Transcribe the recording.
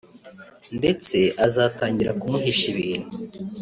ndetse azatangira kumuhisha ibintu